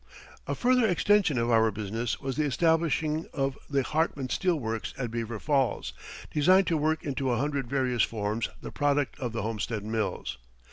A further extension of our business was the establishing of the Hartman Steel Works at Beaver Falls, designed to work into a hundred various forms the product of the Homestead Mills.